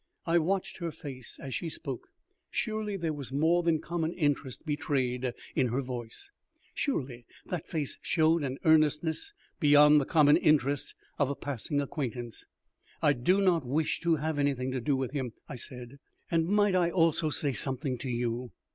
I watched her face as she spoke. Surely there was more than common interest betrayed in her voice; surely that face showed an earnestness beyond the common interest of a passing acquaintance? "I do not wish to have anything to do with him," I said, "and might I also say something to you?